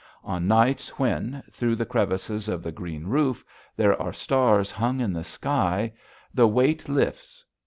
On nights when, through the crevices of the green roof, there are stars hung in the sky, the weight lifts.